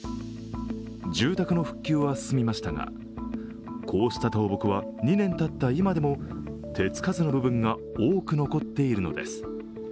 住宅の復旧は進みましたが、こうした倒木は２年たった今でも手つかずの部分が多く残っているのです。